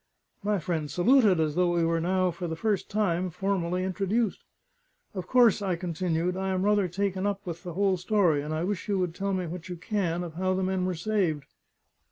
My friend saluted, as though we were now, for the first time, formally introduced. "Of course," I continued, "I am rather taken up with the whole story; and I wish you would tell me what you can of how the men were saved."